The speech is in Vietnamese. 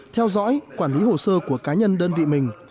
theo dõi quản lý hồ sơ của cá nhân đơn vị mình